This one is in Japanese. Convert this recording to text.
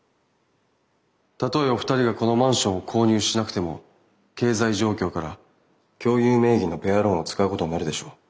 たとえお二人がこのマンションを購入しなくても経済状況から共有名義のペアローンを使うことになるでしょう。